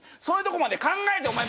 そういうとこまで考えて。